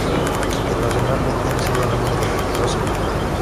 Internacionalmente recibe el nombre de "Rosewood".